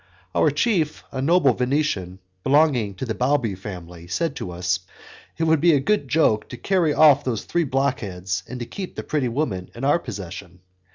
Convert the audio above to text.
Our chief, a noble Venetian belonging to the Balbi family, said to us, "It would be a good joke to carry off those three blockheads, and to keep the pretty woman in our possession."